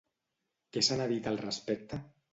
Què se n'ha dit al respecte?